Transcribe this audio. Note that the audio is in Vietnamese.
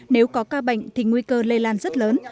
nếu có ca bệnh thì nguy cơ lây lan rất lớn